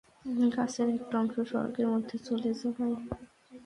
গাছের একটা অংশ সড়কের মধ্যে চলে যাওয়ায় রিকশাও চলছে ঝুঁকি নিয়ে।